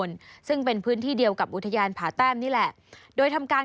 ซึ่งเป็นพื้นที่เดียวกับอุทยานผาแต้มนี่แหละโดยทำการ